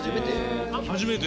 初めて？